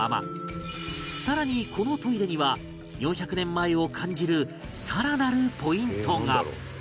更にこのトイレには４００年前を感じる更なるポイントが